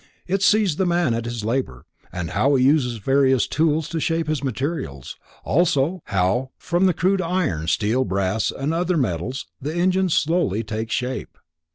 It sees the man at his labor, and how he uses various tools to shape his materials, also how, from the crude iron, steel, brass and other metals the engine slowly takes shape.